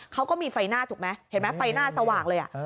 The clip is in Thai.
เขาก็มีไฟหน้าถูกไหมเห็นไหมไฟหน้าสว่างเลย